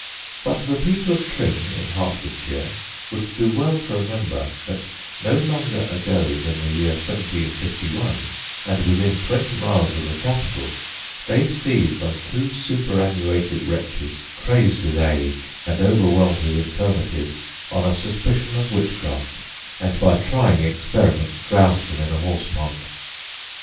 But the people of Tring, in Hertfordshire, would do well to remember, that no longer ago than the year 1751, and within twenty miles of the capital, they seized on two superannuated wretches, crazed with age, and overwhelmed with infirmities, on a suspicion of witchcraft; and, by trying experiments, drowned them in a horse pond.